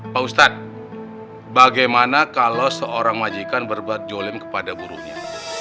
pak ustadz bagaimana kalau seorang majikan berbuat jolim kepada buruhnya